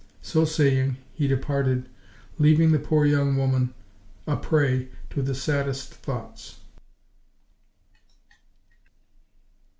So saying, he departed, leaving the poor young woman a prey to the saddest thoughts.